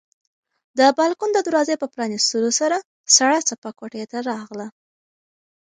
د بالکن د دروازې په پرانیستلو سره سړه څپه کوټې ته راغله.